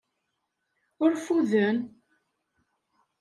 Ur ffuden.